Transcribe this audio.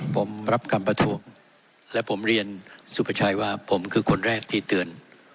ผมรับคำประท้วงและผมเรียนสุภาชัยว่าผมคือคนแรกที่เตือน